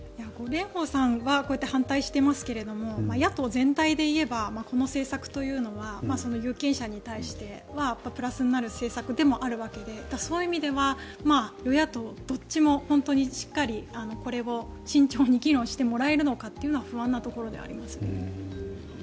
蓮舫さんはこうやって反対していますが野党全体でいえばこの政策というのは有権者に対してプラスになる政策にもなるわけでそういう意味では与野党どっちも本当にしっかりこれを慎重に議論してもらえるのかは不安なところではありますね。